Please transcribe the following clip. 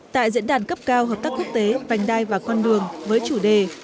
tại diễn đàn cấp cao hợp tác quốc tế vành đai và con đường với chủ đề